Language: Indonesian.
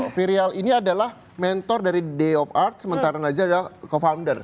viryal ini adalah mentor dari day of art sementara naza adalah co founder